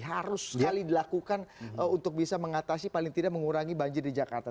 harus sekali dilakukan untuk bisa mengatasi paling tidak mengurangi banjir di jakarta